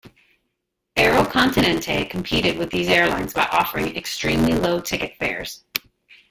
Aero Continente competed with these airlines by offering extremely low ticket fares.